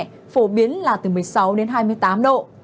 phổ biến là từ một mươi sáu đến hai mươi tám độ